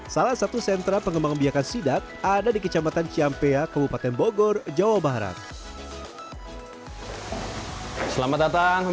salah satu sentra pengembang biakan sidak ada di kecamatan ciampea kabupaten bogor jawa barat